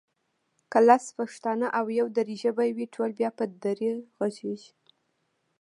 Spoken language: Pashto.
که لس پښتانه او يو دري ژبی وي ټول بیا په دري غږېږي